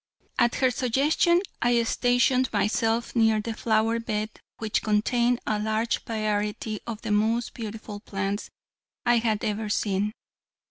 At her suggestion I stationed myself near the flower bed which contained a large variety of the most beautiful plants I had ever seen.